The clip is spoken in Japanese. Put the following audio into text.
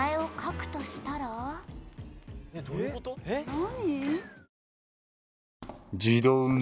何？